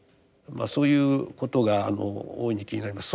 そういうことがあの大いに気になります。